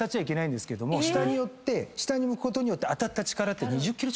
下に向くことによって当たった力って。